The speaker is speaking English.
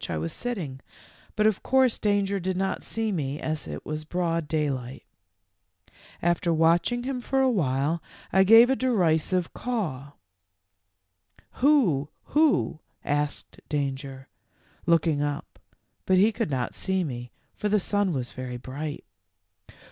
151 I was sitting, but, of course, Danger did not see me, as it was broad daylight. w After watching him for a while I gave a derisive caw. 'Who, who,' asked Danger, looking up, but he could not see me, for the sun was very bright.